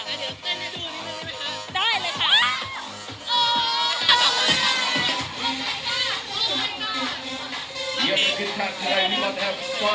เดี๋ยวเต้นดูดีกว่าได้ไหมคะ